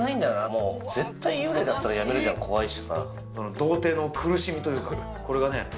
もう絶対幽霊だったらやめるじゃん怖いしさ童貞の苦しみというかこれがね